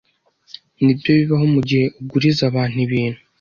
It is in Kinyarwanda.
Nibyo bibaho mugihe uguriza abantu ibintu.